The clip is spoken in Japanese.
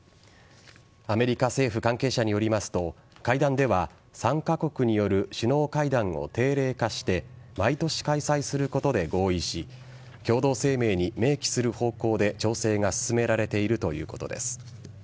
アメリカ政府関係者によりますと会談では３カ国による首脳会談を定例化して毎年開催することで合意し共同声明に明記する方向で調整が進められているということです。